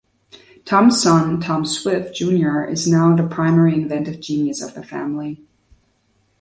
Tom's son, Tom Swift, Junior is now the primary inventive genius of the family.